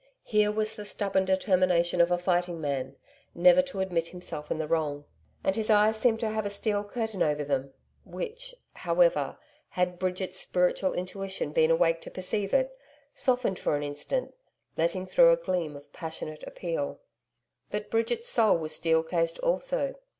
Here was the stubborn determination of a fighting man, never to admit himself in the wrong. And his eyes seemed to have a steel curtain over them which, however, had Bridget's spiritual intuition been awake to perceive it, softened for an instant, letting through a gleam of passionate appeal. But Bridget's soul was steel cased also.